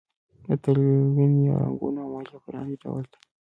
د تلوین یا رنګولو عملیه په لاندې ډول ده.